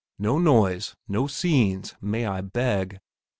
No noise, no scenes, may I beg!